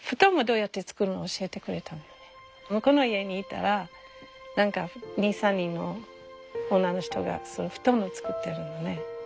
向こうの家に行ったら何か２３人の女の人が布団を作ってるのね。